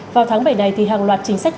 vào tháng bảy này thì hàng loạt chính sách